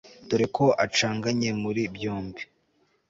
Dore ko acanganye muri byombi